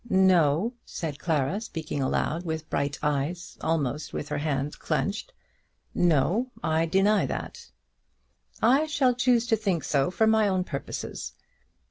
"No," said Clara, speaking aloud, with bright eyes, almost with her hands clenched. "No; I deny that." "I shall choose to think so for my own purposes.